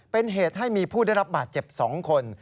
เป็นเหตุให้มีผู้ได้รับบาดเจ็บ๒คน